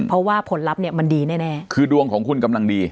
เพราะว่าผลลัพธ์เนี่ยมันดีแน่แน่คือดวงของคุณกำลังดี